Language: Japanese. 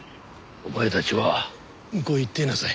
お前たちは向こうへ行っていなさい。